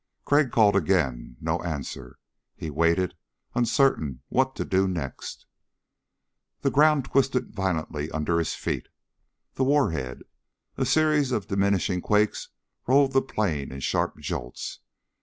Crag called again. No answer. He waited, uncertain what to do next. The ground twisted violently under his feet. The warhead! A series of diminishing quakes rolled the plain in sharp jolts.